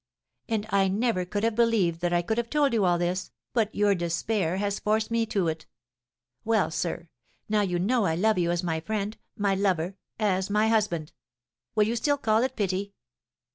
"And I never could have believed that I could have told you all this, but your despair has forced me to it. Well, sir, now you know I love you as my friend, my lover as my husband! Will you still call it pity?"